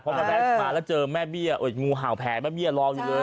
พอมาแล้วเจอแม่เบี้ยโอ๊ยงูห่าวแผงแม่เบี้ยรองอยู่เลย